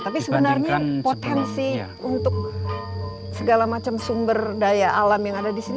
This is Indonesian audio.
tapi sebenarnya potensi untuk segala macam sumber daya alam yang ada di sini